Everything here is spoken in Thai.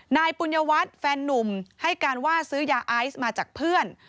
ปุญญวัตรแฟนนุ่มให้การว่าซื้อยาไอซ์มาจากเพื่อน